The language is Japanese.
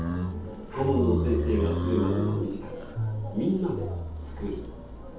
顧問の先生が来るまでの２時間みんなで作る。